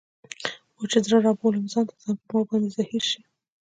اوس چي زړه رابولم ځان ته ، ځان په ما باندي زهیر سي